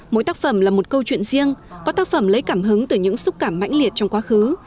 mỗi tác phẩm là một câu chuyện riêng có tác phẩm lấy cảm hứng từ những xúc cảm mãnh liệt trong quá khứ